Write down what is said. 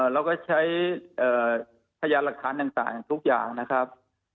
เราก็ใช้พยานหลักฐานต่างทุกอย่างนะครับ